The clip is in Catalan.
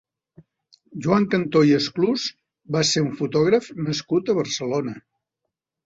Joan Cantó i Esclús va ser un fotògraf nascut a Barcelona.